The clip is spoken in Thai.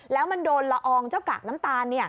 แล้วมันโดนละอองเจ้ากากน้ำตาล